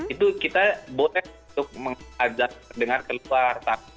itu kita boleh untuk mengajar kedengaran keluar